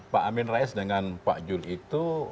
pak amin rais dengan pak jul itu